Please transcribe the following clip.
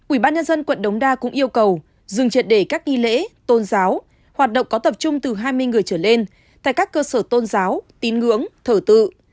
ubnd quận đồng đa cũng yêu cầu dừng triệt để các nghi lễ tôn giáo hoạt động có tập trung từ hai mươi người trở lên tại các cơ sở tôn giáo tín ngưỡng thở tự